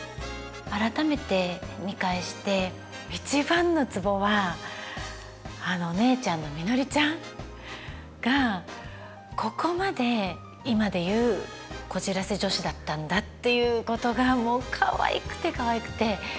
改めて見返して一番のツボはあの姉ちゃんのみのりちゃんがここまで今で言うこじらせ女子だったんだっていうことがもうかわいくてかわいくて。